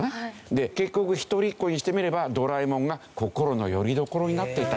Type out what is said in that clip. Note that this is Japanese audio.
で結局一人っ子にしてみれば『ドラえもん』が心のよりどころになっていたと。